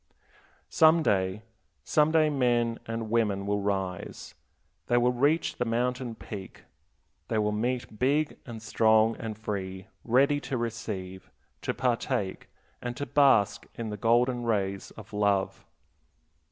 Some day, some day men and women will rise, they will reach the mountain peak, they will meet big and strong and free, ready to receive, to partake, and to bask in the golden rays of love.